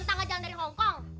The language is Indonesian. tangga jalan dari hongkong